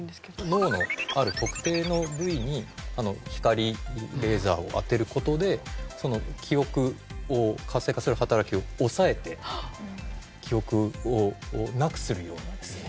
脳のある特定の部位に光レーザーを当てる事で記憶を活性化する働きを抑えて記憶をなくするようにする。